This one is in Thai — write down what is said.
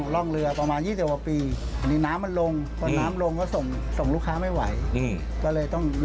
อ๋อลูกนะชื่ออะไรเอ่ย